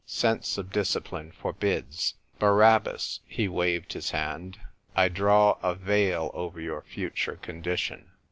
Sense of discipline forbids ! Barabbas," he waved his hand, " I draw a veil over your future condition